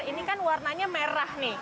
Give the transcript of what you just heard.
ini kan warnanya merah nih